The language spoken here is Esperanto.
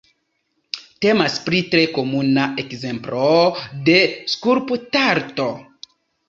Temas pri tre komuna ekzemplo de skulptarto.